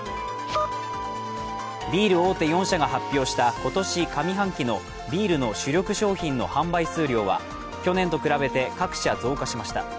ビール大手４社が発表した今年上半期のビールの主力商品の販売数量は去年と比べて各社増加しました。